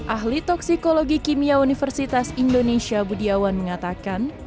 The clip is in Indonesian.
ahli toksikologi kimia universitas indonesia budiawan mengatakan